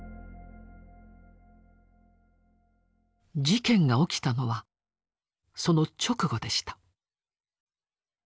事件が起きたのはその直後でした。